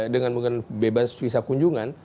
dengan bebas visa kunjungan